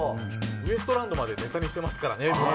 ウエストランドもネタにしてますからね。